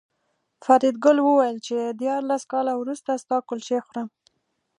فریدګل وویل چې دیارلس کاله وروسته ستا کلچې خورم